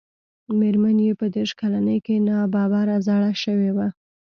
مېرمن يې په دېرش کلنۍ کې ناببره زړه شوې وه.